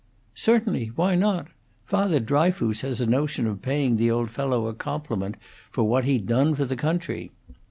"Certainly; why not? Father Dryfoos has a notion of paying the old fellow a compliment for what he done for the country.